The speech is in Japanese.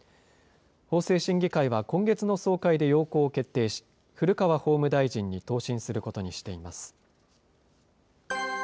法制審議会は今月の総会で要綱を決定し、古川法務大臣に答申することにしています。